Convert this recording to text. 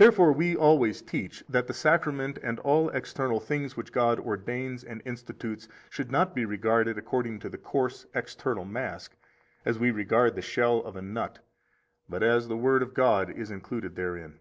19 Therefore we always teach that the Sacraments and all external things which God ordains and institutes should not be regarded according to the coarse, external mask, as we regard the shell of a nut, but as the Word of God is included therein.